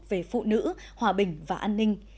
về phụ nữ hòa bình và an ninh